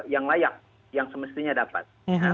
yang layak yang semestinya dapat